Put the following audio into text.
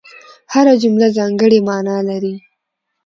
هره جمله ځانګړې مانا لري.